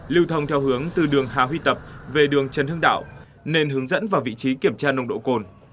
lưu thông theo hướng từ đường hà huy tập về đường trần hưng đạo nên hướng dẫn vào vị trí kiểm tra nồng độ cồn